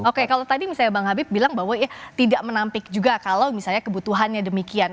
oke kalau tadi misalnya bang habib bilang bahwa ya tidak menampik juga kalau misalnya kebutuhannya demikian